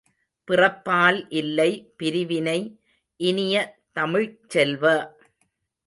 பிறப்பால் இல்லை பிரிவினை இனிய தமிழ்ச் செல்வ!